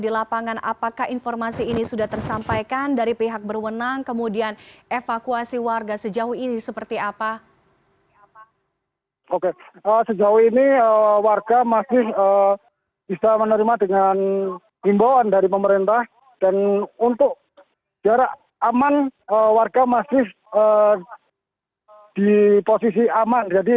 masukkan masker kepada masyarakat hingga sabtu pukul tiga belas tiga puluh waktu indonesia barat